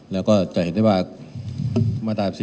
แล้วก็จะเห็นได้ว่ามาตรา๑๔